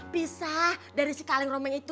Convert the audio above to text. bisa dari si kaleng romanya itu